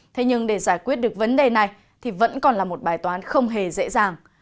thế nhưng để giải quyết được vấn đề này thì vẫn còn là một bài toán không hề dễ dàng